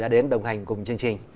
đã đến đồng hành cùng chương trình